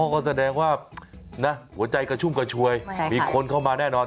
ก็แสดงว่านะหัวใจกระชุ่มกระชวยมีคนเข้ามาแน่นอน